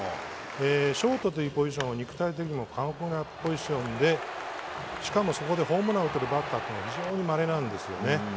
ショートというポジションは肉体的にも過酷なポジションでしかもそこでホームランを打てるバッターというのは非常にまれなんですね。